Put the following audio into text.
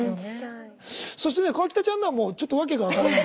そしてね河北ちゃんのはもうちょっとわけが分からない。